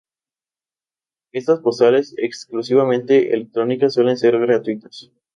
Estas postales, exclusivamente electrónicas, suelen ser gratuitas.